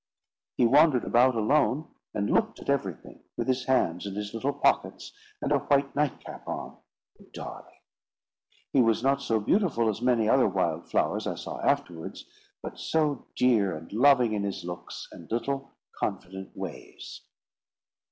He wandered about alone, and looked at everything, with his hands in his little pockets, and a white night cap on, the darling! He was not so beautiful as many other wild flowers I saw afterwards, but so dear and loving in his looks and little confident ways.